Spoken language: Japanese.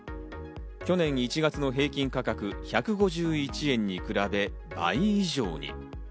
去年１月の平均価格１５１円に比べ倍以上に。